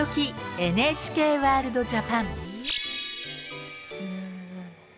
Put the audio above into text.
ＮＨＫワ−ルドＪＡＰＡＮ」。